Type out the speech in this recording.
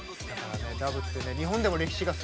ダブってね日本でも歴史がすごいあるから。